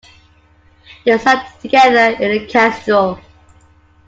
They sat together in the cathedral.